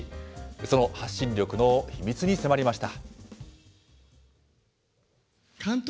その発信力の秘密に迫りました。